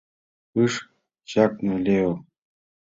– ыш чакне Лео.